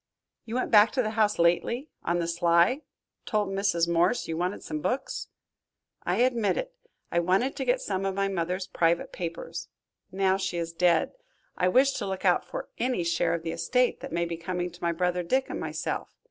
"You went back to the house lately, on the sly told Mrs. Morse you wanted some books." "I admit it. I wanted to get some of my mother's private papers. Now she is dead, I wish to look out for any share of the estate that may be coming to my brother Dick and myself.